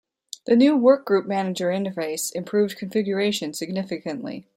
The new Workgroup Manager interface improved configuration significantly.